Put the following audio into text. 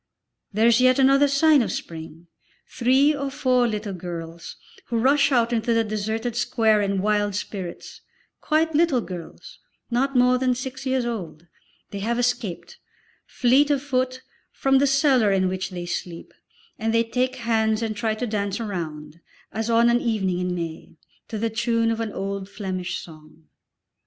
There is yet another sign of spring, three or four little girls, who rush out into the deserted square in wild spirits, quite little girls, not more than six years old; they have escaped, fleet of foot, from the cellar in which they sleep, and they take hands and try to dance a round, as on an evening in May, to the tune of an old Flemish song.